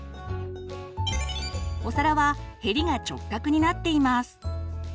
お皿はヘリが直角になっています。